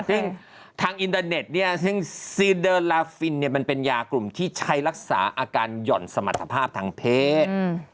ซึ่งทางอินเตอร์เน็ตเนี่ยซึ่งซีเดอร์ลาฟินเนี่ยมันเป็นยากลุ่มที่ใช้รักษาอาการหย่อนสมรรถภาพทางเพศ